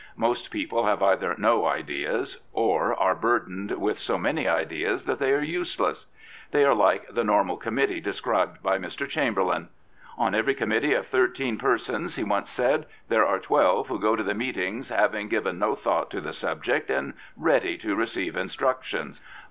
Most people have either no ideas or are burdened with so many ideas that they are useless. They are like the normal committee described by Mr. Chamberlain. " On every committee of thirteen persons," he once said, " there are twelve who go to the meetings having given no thought to the subject and ready to receive instructions.